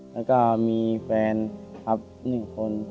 แล้วก็มีแฟนครับ๑คน